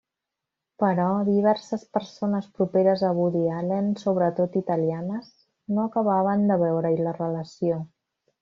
Però, diverses persones properes a Woody Allen, sobretot italianes, no acabaven de veure-hi la relació.